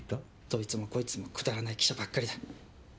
どいつもこいつもくだらない記者ばっかりだ。